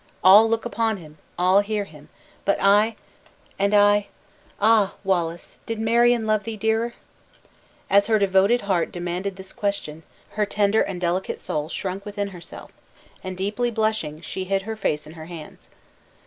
All look upon him, all hear him, but I and I ah, Wallace, did Marion love thee dearer?" As her devoted heart demanded this question, her tender and delicate soul shrunk within herself, and deeply blushing, she hid her face in her hands.